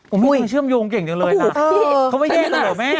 อืมโอ้ยเขาเชื่อมโยงเก่งจริงเลยค่ะเออพี่เขาว่าแยกแต่เหรอแม่